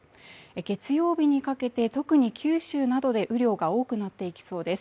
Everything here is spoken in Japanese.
月曜日にかけて特に九州などで雨量が多くなっていきそうです。